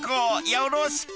よろしく。